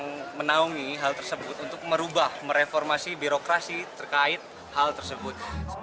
yang menaungi hal tersebut untuk merubah mereformasi birokrasi terkait hal tersebut